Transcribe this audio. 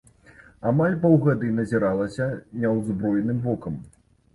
Амаль паўгады назіралася няўзброеным вокам.